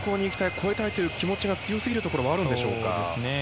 越えたいという気持ちが強すぎるところはあるんでしょうか。